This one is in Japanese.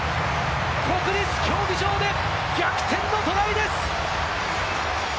国立競技場で逆転のトライです！